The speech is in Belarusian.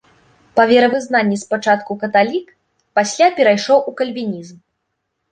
Па веравызнанні спачатку каталік, пасля перайшоў у кальвінізм.